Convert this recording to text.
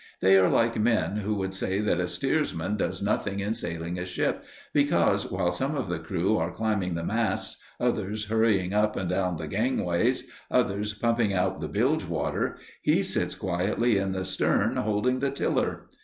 They are like men who would say that a steersman does nothing in sailing a ship, because, while some of the crew are climbing the masts, others hurrying up and down the gangways, others pumping out the bilge water, he sits quietly in the stern holding the tiller.